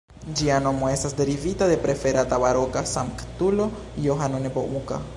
Ĝia nomo estas derivita de preferata baroka sanktulo Johano Nepomuka.